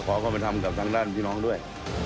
ก็ขอเข้ามาทำกับทั้งด้านพี่น้องด้วย